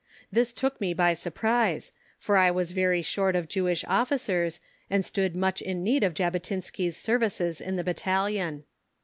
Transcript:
This took me by surprise, for I was very short of Jewish Officers, and stood much in need of Jabotinsky's services in the Battalion.